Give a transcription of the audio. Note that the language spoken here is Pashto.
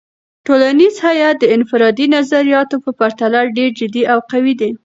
ټولنیز هیت د انفرادي نظریاتو په پرتله ډیر جدي او قوي دی.